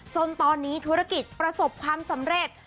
จนตอนนี้ธุรกิจประสบความสำเร็จ